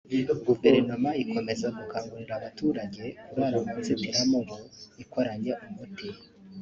Guverinoma ikomeza gukangurira abaturage kurara mu nzitiramubu ikoranye umuti